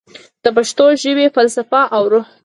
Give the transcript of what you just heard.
د پښتو ژبې فلسفه او روح